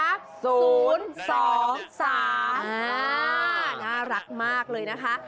๐๒๓อ่าน่ารักมากเลยนะคะ